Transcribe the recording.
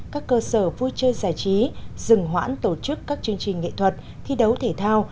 các cơ sở vui chơi giải trí dừng hoãn tổ chức các chương trình nghệ thuật thi đấu thể thao